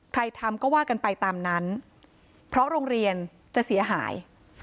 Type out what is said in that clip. ทำก็ว่ากันไปตามนั้นเพราะโรงเรียนจะเสียหาย